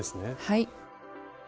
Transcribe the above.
はい。